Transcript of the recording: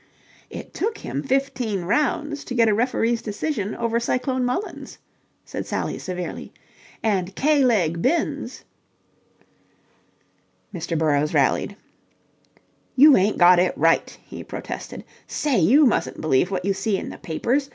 "It took him fifteen rounds to get a referee's decision over Cyclone Mullins," said Sally severely, "and K leg Binns..." Mr. Burrowes rallies. "You ain't got it right" he protested. "Say, you mustn't believe what you see in the papers.